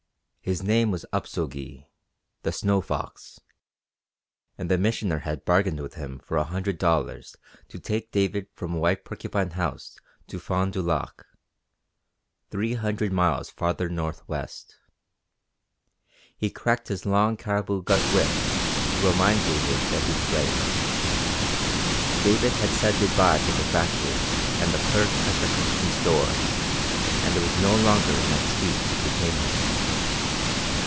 His name was Upso Gee (the Snow Fox), and the Missioner had bargained with him for a hundred dollars to take David from White Porcupine House to Fond du Lac, three hundred miles farther northwest. He cracked his long caribou gut whip to remind David that he was ready. David had said good bye to the factor and the clerk at the Company store and there was no longer an excuse to detain him.